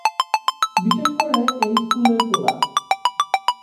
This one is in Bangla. বিশেষ করে এই স্কুলের পোলা।